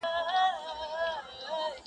خو درد هيڅکله بشپړ نه ختمېږي،